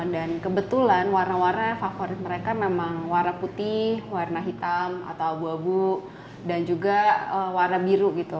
dan kebetulan warna warna favorit mereka memang warna putih warna hitam atau abu abu dan juga warna biru gitu